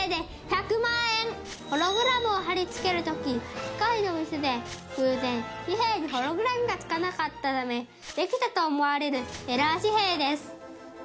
ホログラムを貼り付ける時機械のミスで偶然紙幣にホログラムが付かなかったためできたと思われるエラー紙幣です。